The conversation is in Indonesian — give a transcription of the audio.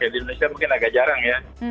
di indonesia mungkin agak jarang ya